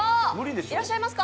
いらっしゃいますか？